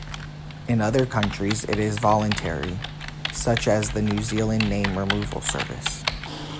In other countries it is voluntary, such as the New Zealand Name Removal Service.